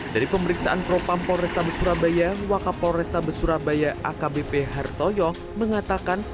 dari pemeriksaan propampolresta besurabaya wakapolresta besurabaya akbp hartoyo mengatakan